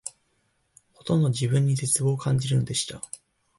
ほとんど自分に絶望を感じるのでした